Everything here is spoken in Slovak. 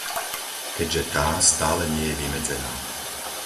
Keďže tá stále nie je vymedzená.